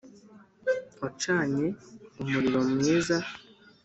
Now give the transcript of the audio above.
Wacanye umuriro mwiza.